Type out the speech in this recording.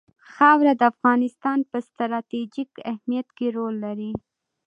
خاوره د افغانستان په ستراتیژیک اهمیت کې رول لري.